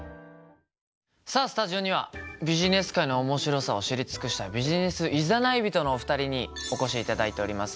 さあスタジオにはビジネス界の面白さを知り尽くしたビジネス誘い人のお二人にお越しいただいております。